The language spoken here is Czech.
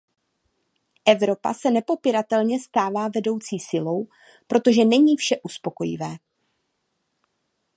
Evropa se nepopiratelně stává vedoucí silou, přestože není vše uspokojivé.